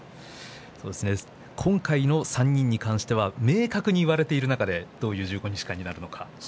今回の３人に関しては明確に言われている中でどういう１５日間になるか。